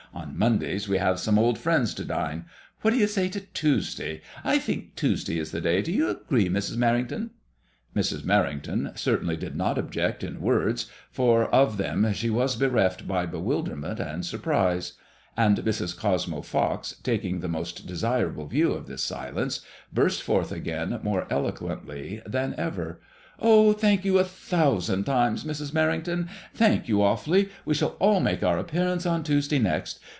On Monday we have some old friends to dine. What do you say to Tuesday ? I think Tues day is the day. Do you agree, Mrs, Merrington ?" Mrs. Merrington certainly did not object in words, for of them she was bereft by bewilderment and surprise; and Mrs. Cosmo Fox, taking the most desirable view of this silence, burst forth again more eloquently than ever :Oh, thank vou a thousand 8o MADBMOISKLLS IXB. times, Mrs. Merrington, thank you awfully. We shall all make our appearance on Tuesday next.